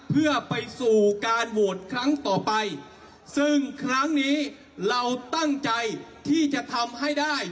เพื่อไปสู่การโหวตครั้งต่อไปซึ่งครั้งนี้เราตั้งใจที่จะทำให้ได้